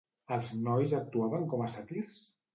Els nois actuaven com a sàtirs?